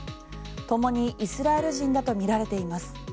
ともにイスラエル人だとみられています。